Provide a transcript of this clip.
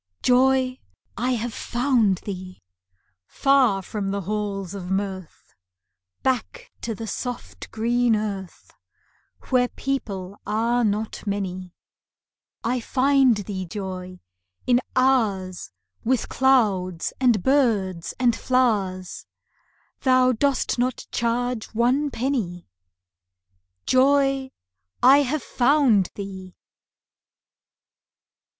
Joy, I have found thee! Far from the halls of Mirth, Back to the soft green earth, Where people are not many; I find thee, Joy, in hours With clouds, and birds, and flowers Thou dost not charge one penny. Joy, I have found thee!